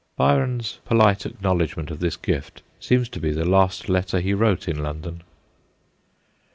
Byron's polite acknowledgment of this gift seems to be the last letter he wrote in London.